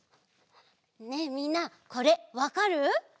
ねえみんなこれわかる？